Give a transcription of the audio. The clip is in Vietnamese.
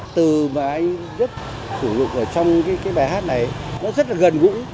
từ mà anh rất sử dụng ở trong cái bài hát này nó rất là gần gũi